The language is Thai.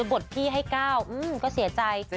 กดพี่ให้ก้าวก็เสียใจ